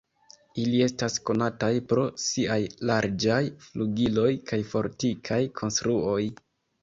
Ili estas konataj pro siaj larĝaj flugiloj kaj fortikaj konstruoj.